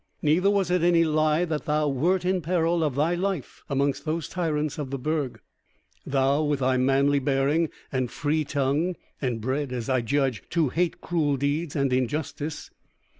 Neither was it any lie that thou wert in peril of thy life amongst those tyrants of the Burg; thou with thy manly bearing, and free tongue, and bred, as I judge, to hate cruel deeds and injustice.